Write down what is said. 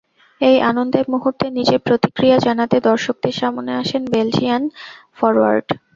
এই আনন্দের মুহূর্তে নিজের প্রতিক্রিয়া জানাতে দর্শকদের সামনে আসেন বেলজিয়ান ফরোয়ার্ড।